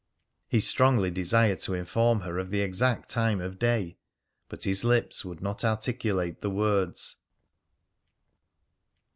He strongly desired to inform her of the exact time of day, but his lips would not articulate the words.